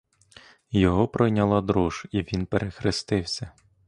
Його пройняла дрож, і він перехрестився.